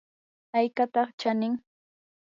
¿aykataq chanin?